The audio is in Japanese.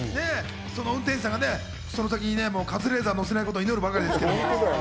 運転手さんがその時にカズレーザーを乗せないことを祈るばかりですが。